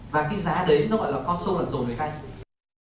và cái giá đấy nó gọi là con sâu lần rồ người canh